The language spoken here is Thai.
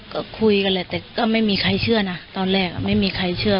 ก็คุยกันแหละแต่ก็ไม่มีใครเชื่อนะตอนแรกไม่มีใครเชื่อ